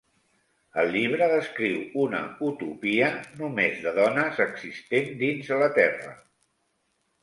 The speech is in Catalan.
El llibre descriu una 'utopia' només de dones existent dins la Terra.